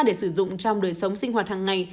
để sử dụng trong đời sống sinh hoạt hàng ngày